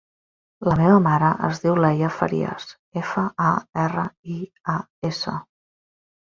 La meva mare es diu Leia Farias: efa, a, erra, i, a, essa.